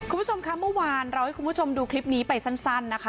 คุณผู้ชมค่ะเมื่อวานเราให้คุณผู้ชมดูคลิปนี้ไปสั้นนะคะ